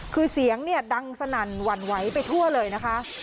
คือเสียงเนี่ยดังสนั่นหวั่นไหวไปทั่วเลยนะคะ